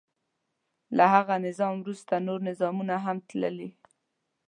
له هغه نظام وروسته نور نظامونه هم تللي.